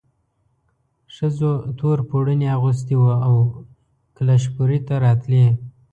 ښځو تور پوړوني اغوستي وو او کلشپورې ته راتلې.